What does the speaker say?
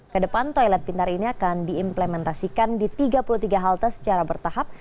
kedepan toilet pintar ini akan diimplementasikan di tiga puluh tiga halte secara bertahap